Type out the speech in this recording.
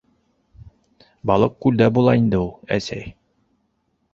- Балыҡ күлдә була инде ул, әсәй.